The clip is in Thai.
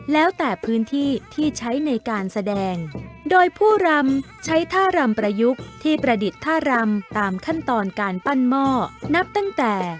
แล้วแต่พื้นที่ที่ใช้ในการแสดงโดยผู้รำใช้ท่ารำประยุกต์ที่ประดิษฐ์ท่ารำตามขั้นตอนการปั้นหม้อนับตั้งแต่